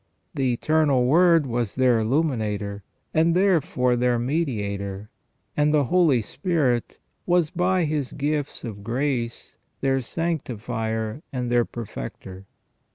The Eternal Word was their illuminator, and therefore their mediator, and the Holy Spirit was by His gifts of grace their sanctifier and their perfecter.